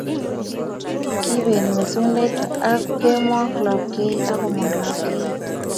kibet mesundeito ak komong lopkeyet